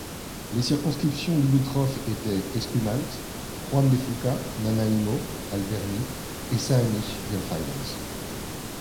Les circonscriptions limitrophes étaient Esquimalt—Juan de Fuca, Nanaimo—Alberni et Saanich—Gulf Islands.